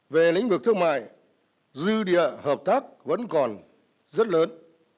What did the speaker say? về lĩnh vực thương mại dư địa hợp tác vẫn còn rất lớn